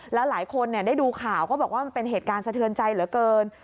แล้วหลายคนได้ดูข่าวก็บอกว่ามันเป็นเหตุการณ์สะเทือนใจเหลือเกิน